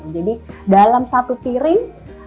jadi dalam satu piring